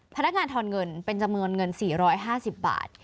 พนักงานทอนเงินเป็นจำนวนเงิน๔๕๐บาท